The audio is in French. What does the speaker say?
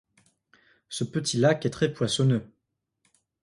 Ce petit lac est très poissonneux.